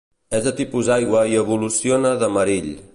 És de tipus aigua i evoluciona de Marill.